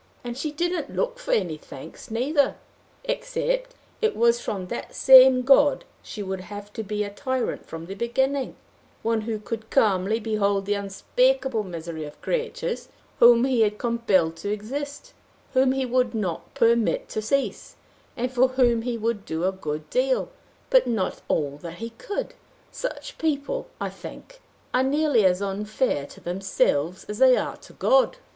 And she didn't look for any thanks neither, except it was from that same God she would have to be a tyrant from the beginning one who would calmly behold the unspeakable misery of creatures whom he had compelled to exist, whom he would not permit to cease, and for whom he would do a good deal, but not all that he could. Such people, I think, are nearly as unfair to themselves as they are to God."